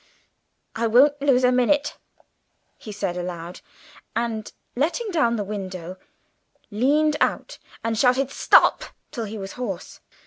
"I won't lose a minute!" he said aloud; and letting down the window, leaned out and shouted "Stop!" till he was hoarse.